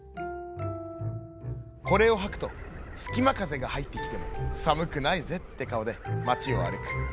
「これをはくとすきまかぜがはいってきてもさむくないぜってかおでまちをあるく。